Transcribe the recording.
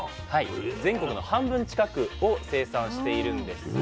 全国の半分近くを生産しているんです。